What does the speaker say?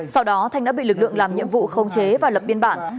sau đó thanh đã bị lực lượng làm nhiệm vụ khống chế và lập biên bản